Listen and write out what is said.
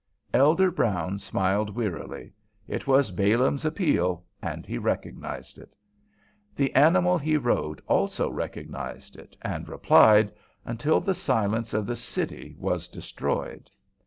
Elder Brown smiled wearily: it was Balaam's appeal, and he recognized it. The animal he rode also recognized it, and replied, until the silence of the city was destroyed.